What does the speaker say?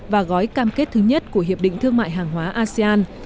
và gói cam kết thứ nhất của hiệp định thương mại hàng hóa asean